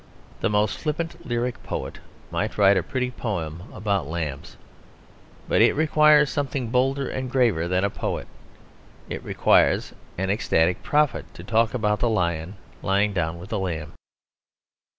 The most flippant lyric poet might write a pretty poem about lambs; but it requires something bolder and graver than a poet, it requires an ecstatic prophet, to talk about the lion lying down with the lamb.